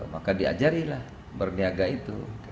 maka diajarilah berniaga itu